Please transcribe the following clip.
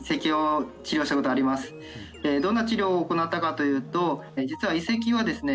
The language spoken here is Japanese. どんな治療を行ったかというと実は胃石はですね